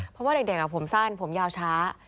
เพราะว่าเด็กผมสั้นผมยาวช้า